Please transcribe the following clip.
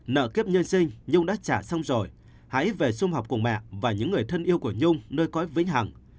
nợ kiếp nhân sinh nhung đã trả xong rồi hãy về xung học cùng mẹ và những người thân yêu của nhung nơi cõi vĩnh hẳn